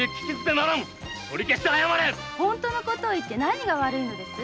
謝れ本当のことを言って何が悪いのです？